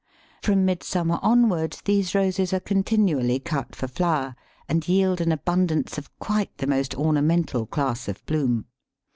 From midsummer onward these Roses are continually cut for flower, and yield an abundance of quite the most ornamental class of bloom.